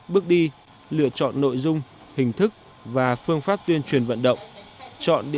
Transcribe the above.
bước đi lựa chọn nội dung hình thức và phương pháp tuyên truyền vận động